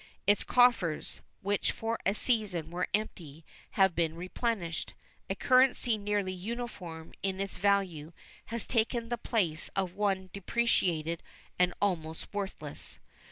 Its coffers, which for a season were empty, have been replenished. A currency nearly uniform in its value has taken the place of one depreciated and almost worthless.